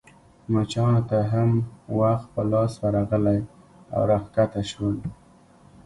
مچانو ته هم وخت په لاس ورغلی او راکښته شول.